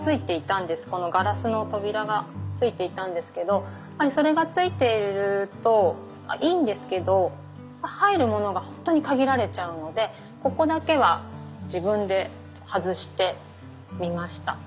このガラスの扉がついていたんですけどそれがついているといいんですけど入るものがほんとに限られちゃうのでここだけは自分で外してみました。